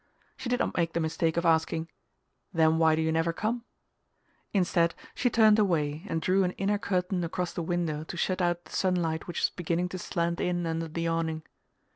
She did not make the mistake of asking: "Then why do you never come?" Instead, she turned away and drew an inner curtain across the window to shut out the sunlight which was beginning to slant in under the awning.